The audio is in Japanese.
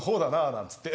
なんつって。